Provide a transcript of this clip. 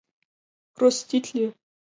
Проститле!